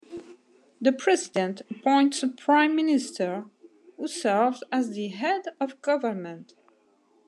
The president appoints a Prime Minister, who serves as the head of government.